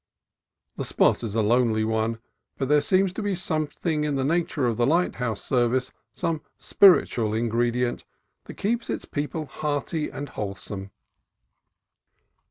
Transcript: The spot is a lonely one, but there seems to be something in the nature of the lighthouse service, some spiritual ingredient, that keeps its people hearty and whole some.